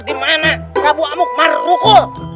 dimana prabu amuk marukul